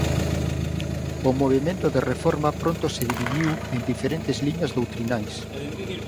O movemento de reforma pronto se dividiu en diferentes liñas doutrinais.